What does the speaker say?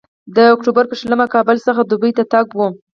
د اکتوبر پر شلمه کابل څخه دوبۍ ته تګ و.